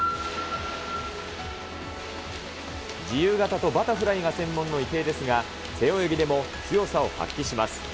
自由形とバタフライが専門の池江ですが、背泳ぎでも強さを発揮します。